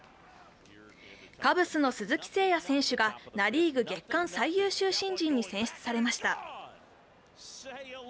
カブスの鈴木誠也選手がナ・リーグ月間最優秀新人に選出されました。